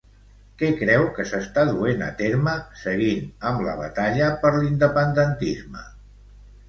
Què creu que s'està duent a terme, seguint amb la batalla per l'independentisme?